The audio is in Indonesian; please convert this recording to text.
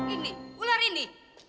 ini ular ini